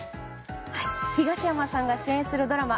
東山さんが主演するドラマ